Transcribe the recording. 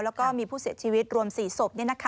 แล้วก็มีผู้เสียชีวิตรวม๔ศพ